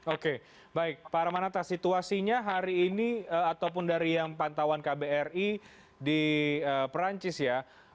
oke baik pak armanata situasinya hari ini ataupun dari yang pantauan kbri di perancis ya